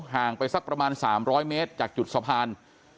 ห่างไปสักประมาณ๓๐๐เมตรจากจุดสะพาน